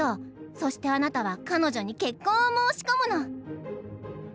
そしてあなたは彼女に結婚を申し込むの」。